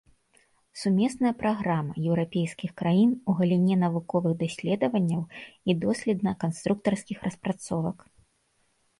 Сумесная праграма еўрапейскіх краін у галіне навуковых даследаванняў і доследна-канструктарскіх распрацовак.